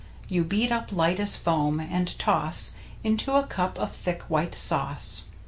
You beat up light as foam, and toss Into a cup of thick, white sauce.